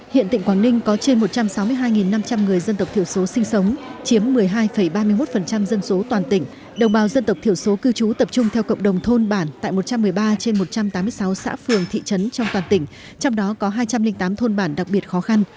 hiện tỉnh quảng ninh có trên một trăm sáu mươi hai năm trăm linh người dân tộc thiểu số sinh sống chiếm một mươi hai ba mươi một dân số toàn tỉnh đồng bào dân tộc thiểu số cư trú tập trung theo cộng đồng thôn bản tại một trăm một mươi ba trên một trăm tám mươi sáu xã phường thị trấn trong toàn tỉnh trong đó có hai trăm linh tám thôn bản đặc biệt khó khăn